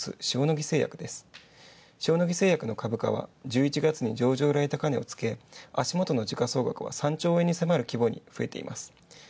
塩野義製薬の株価は１１月に上場来高値をつけ、足元の時価総額は３兆円に迫る規模に迫っています。